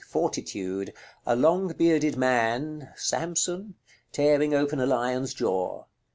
_ Fortitude. A long bearded man [Samson?] tearing open a lion's jaw.